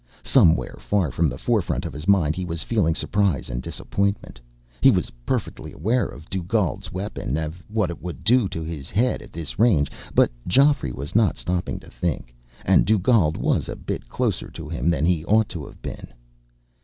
Somewhere, far from the forefront of his mind, he was feeling surprise and disappointment. He was perfectly aware of Dugald's weapon, and of what it would do to his head at this range. But Geoffrey was not stopping to think. And Dugald was a bit closer to him than he ought to have been.